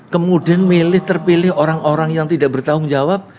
kemudian milih terpilih orang orang yang tidak bertanggung jawab